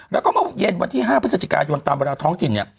แล้วก็เมื่อเย็นวันที่๕พฤศจิกายนตามเวลาท้องถิ่นเนี่ย